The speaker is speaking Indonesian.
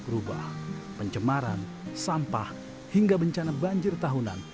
perubahan pencemaran sampah hingga bencana banjir tahunan